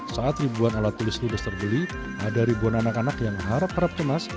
saat ribuan alat tulis ludes terbeli ada ribuan anak anak yang harap harap cemas